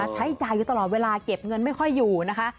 ใช้จ่ายอยู่ตลอดเวลาเก็บเงินไม่ค่อยอยู่นะคะ